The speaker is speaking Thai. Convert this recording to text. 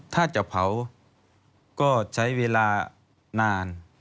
ถ้าจะเผาก็ใช้เวลานาน